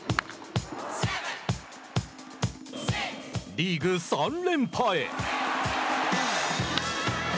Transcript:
リーグ３連覇へ。